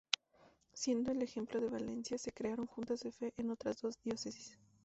Siguiendo el ejemplo de Valencia, se crearon Juntas de Fe en otras dos diócesis.